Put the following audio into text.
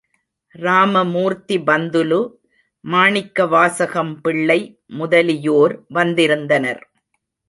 ராமமூர்த்தி பந்துலு, மாணிக்கவாசகம் பிள்ளை முதலியோர் வந்திருந்தனர்.